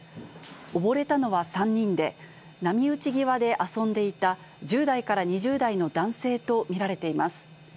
溺れたのは３人で、波打ち際で遊んでいた１０代から２０代の男性と見られています。